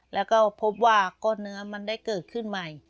แล้วก็พบว่าก้อนเนื้อมันได้เกิดขึ้นใหม่